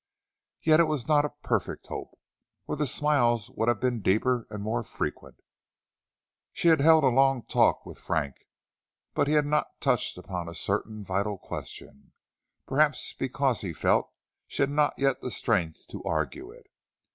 Yet it was not a perfect hope, or the smiles would have been deeper and more frequent. She had held a long talk with Frank, but he had not touched upon a certain vital question, perhaps because he felt she had not yet the strength to argue it.